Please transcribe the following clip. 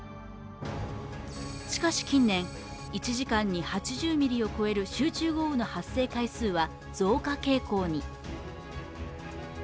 しかし近年、１時間に８０ミリを超える集中豪雨の発生回数は増加傾向に。